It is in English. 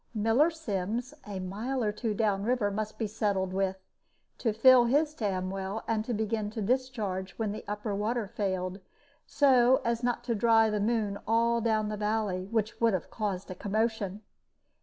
Miller Sims, a mile or so down river, must be settled with, to fill his dam well, and begin to discharge, when the upper water failed, so as not to dry the Moon all down the valley, which would have caused a commotion.